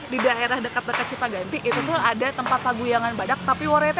di daerah dekat dekat cipaganti itu tuh ada tempat paguyangan badak tapi warnanya